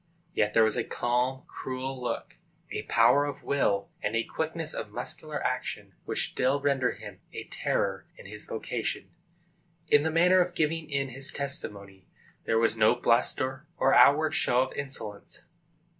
Yet there was a calm, cruel look, a power of will and a quickness of muscular action, which still render him a terror in his vocation. In the manner of giving in his testimony there was no bluster or outward show of insolence.